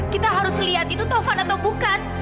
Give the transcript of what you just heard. kita harus lihat itu tovan atau bukan